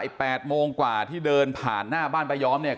๘โมงกว่าที่เดินผ่านหน้าบ้านป้ายอมเนี่ย